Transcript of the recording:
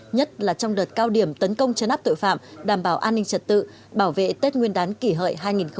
nhất là trong đợt cao điểm tấn công chấn áp tội phạm đảm bảo an ninh trật tự bảo vệ tết nguyên đán kỷ hợi hai nghìn một mươi chín